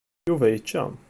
Yuba yečča.